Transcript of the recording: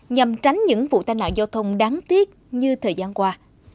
nhằm tránh những vụ tai nạn giao thông đáng tiếc như thời gian qua